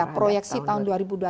proyeksi tahun dua ribu dua puluh